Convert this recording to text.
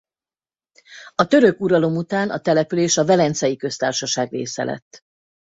A török uralom után a település a Velencei Köztársaság része lett.